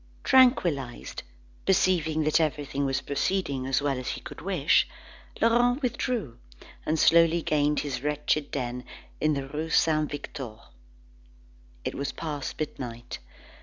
Tranquillised, perceiving that everything was proceeding as well as he could wish, Laurent withdrew, and slowly gained his wretched den in the rue Saint Victor. It was past midnight.